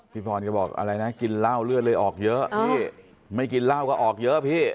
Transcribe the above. พรก็บอกอะไรนะกินเหล้าเลือดเลยออกเยอะพี่ไม่กินเหล้าก็ออกเยอะพี่